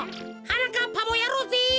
はなかっぱもやろうぜ。